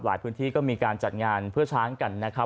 พื้นที่ก็มีการจัดงานเพื่อช้างกันนะครับ